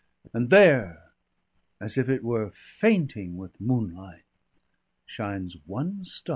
And there, as if it were fainting with moonlight shines one star."